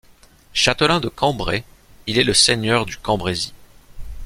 Châtelain de Cambrai, il est le seigneur du Cambrésis.